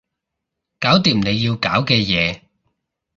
搞掂你要搞嘅嘢